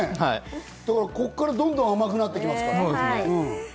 ここから、どんどん甘くなってきますから。